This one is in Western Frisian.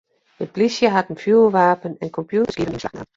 De plysje hat in fjoerwapen en kompjûterskiven yn beslach naam.